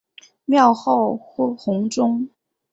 庙号弘宗。